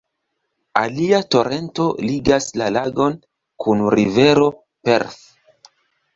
Alia torento ligas la lagon kun rivero Perth.